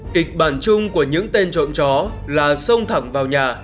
kịch bản chung của những tên trộm chó là xông thẳng vào nhà